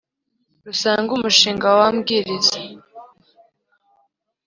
Rusange umushinga w ambwiriza